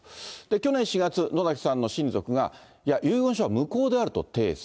去年４月、野崎さんの親族がいや、遺言書は無効であると提訴。